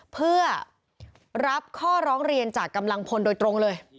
เพื่อรับข้อร้องเรียนจากกำลังพลโดยตรงเลย